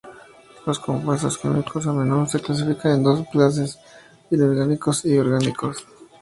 Los compuestos químicos a menudo se clasifican en dos clases, inorgánicos y orgánicos.